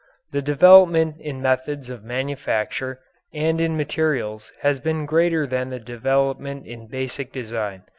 The development in methods of manufacture and in materials has been greater than the development in basic design.